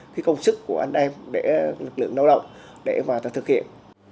cái công sức của anh em để lực lượng lao động để mà ta thực hiện